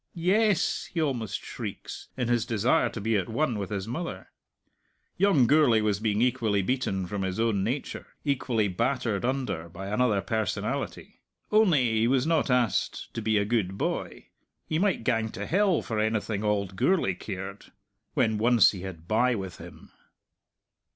"Yes," he almost shrieks, in his desire to be at one with his mother. Young Gourlay was being equally beaten from his own nature, equally battered under by another personality. Only he was not asked to be a good boy. He might gang to hell for anything auld Gourlay cared when once he had bye with him.